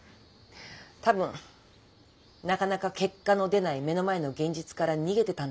多分なかなか結果の出ない目の前の現実から逃げてたんだと思う。